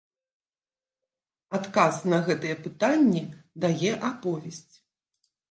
Адказ на гэтыя пытанні дае аповесць.